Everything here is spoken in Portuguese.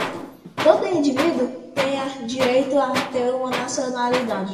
Todo o indivíduo tem direito a ter uma nacionalidade.